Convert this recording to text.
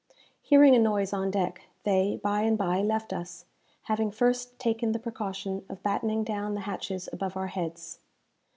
Hearing a noise on deck, they, by and bye, left us; having first taken the precaution of battening down the hatches above our heads.